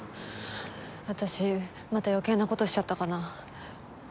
私また余計な事しちゃったかな？